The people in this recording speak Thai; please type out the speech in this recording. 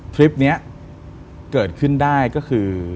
คลิปนี้เกิดขึ้นได้ก็คือ